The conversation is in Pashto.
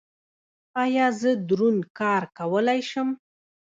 ایا زه دروند کار کولی شم؟